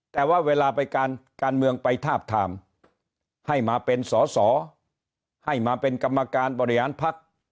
แต่ว่าเวลาไปการเมืองไปทาบทามให้มาเป็นสอสอให้มาเป็นกรรมการบริหารพัก